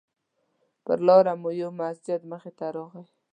پر لاره مو یو مسجد مخې ته راغی.